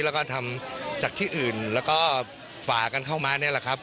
แล้วก็ทำจากที่อื่นแล้วก็ฝากันเข้ามานี่แหละครับ